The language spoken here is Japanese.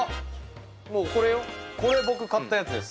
これ僕買ったやつです